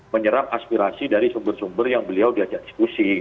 menyerap aspirasi dari sumber sumber yang beliau diajak diskusi